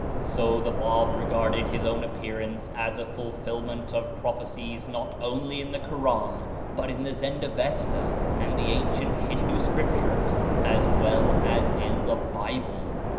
So the Bab regarded his own appearance as a fulfillment of prophe cies not only in the Koran, but in the Zend Avesta and the ancient Hindu scriptures, as well as in the Bible.